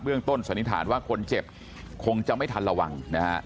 เบื้องต้นสันนิษฐานว่าคนเจ็บคงจะไม่ทันระวัง